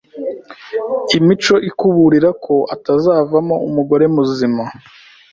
imico ikuburira ko atazavamo umugore muzima